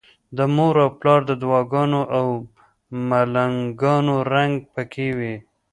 د مور او پلار د دعاګانو او ملنګانو رنګ پکې وي.